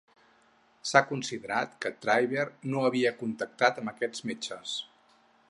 S'ha considerat que Traiber no havia contactat amb aquests metges.